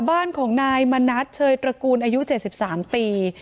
บ้านของนายมณัฐเชยตระกูลอายุ๗๓ปี